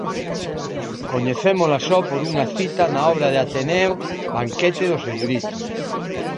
Coñecémola só por unha cita na obra de Ateneo "Banquete dos eruditos".